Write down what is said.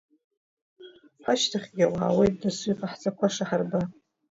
Ҳашьҭахьгьы ауаа аауеит, доусы иҟаҳҵақәаша ҳарба!